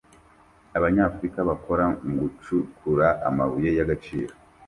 Abanyafurika bakora mu gucukura amabuye y'agaciro